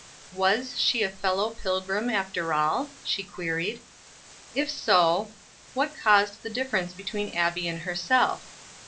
"Was she a fellow pilgrim after all?" she queried. If so, what caused the difference between Abbie and herself.